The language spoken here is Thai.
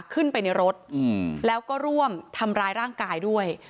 ขึ้นไปในรถแล้วก็ร่วมทำร้ายร่างกายด้วย